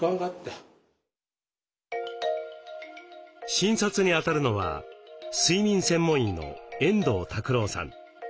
診察にあたるのは睡眠専門医の遠藤拓郎さん。